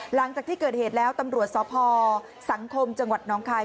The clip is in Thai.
หลังจากที่เกิดเหตุแล้วตำรวจสพสังคมจังหวัดน้องคาย